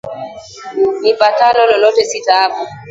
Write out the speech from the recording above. Nipatalo lolote si taabu